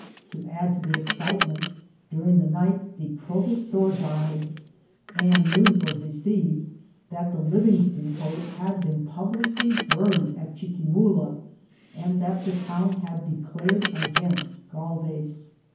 To add to the excitementy during the nig^ the proveaor died^ and news was received that the Livingsloa Cknle had been publicly burned at Chiqnamula, and that the town had declared. against Ghdves.